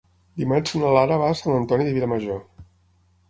Dimarts na Lara va a Sant Antoni de Vilamajor.